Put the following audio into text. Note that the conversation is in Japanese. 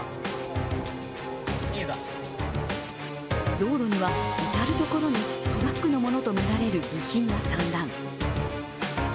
道路には至るところにトラックのものとみられる部品が散乱。